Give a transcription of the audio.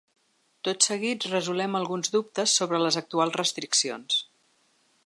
Tot seguit resolem alguns dubtes sobre les actuals restriccions.